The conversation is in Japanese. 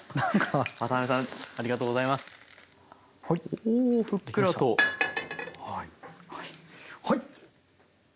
おふっくらと。はいっ。